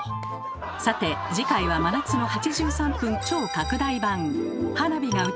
さて次回は「真夏の８３分超拡大版」！